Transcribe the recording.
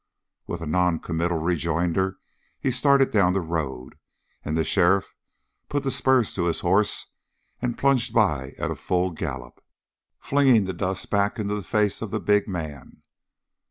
With a noncommittal rejoinder he started down the road, and the sheriff put the spurs to his horse and plunged by at a full gallop, flinging the dust back into the face of the big man.